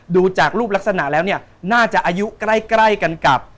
ดูจากรูปลักษณะแล้วเนี่ยน่าจะอายุใกล้กันกับ